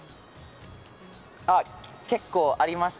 結構ありました。